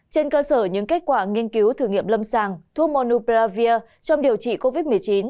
trên cơ sở những kết quả nghiên cứu thử nghiệm lâm sàng thuốc monopravir trong điều trị covid một mươi chín